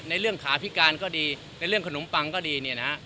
เรื่องขาพิการก็ดีในเรื่องขนมปังก็ดีเนี่ยนะฮะ